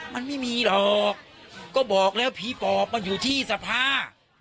มันไม่มีหรอกก็บอกแล้วผีปอบมันอยู่ที่สภา